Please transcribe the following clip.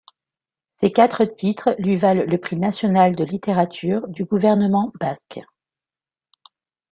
Ces quatre titres lui valent le prix national de littérature du Gouvernement Basque.